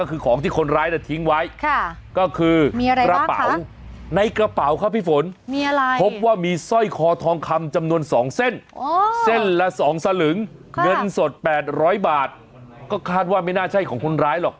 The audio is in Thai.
สองสลึงเงินสดแปดร้อยบาทก็คาดว่าไม่น่าใช่ของคนร้ายหรอก